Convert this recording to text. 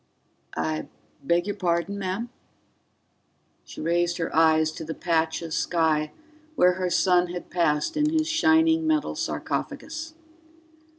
"I beg your pardon, ma'am?" She raised her eyes to the patch of sky where her son had passed in his shining metal sarcophagus.